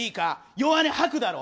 弱音吐くだろ。